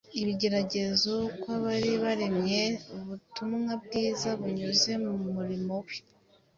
ibigeragezo kw’abari baremeye ubutumwa bwiza binyuze mu murimo we.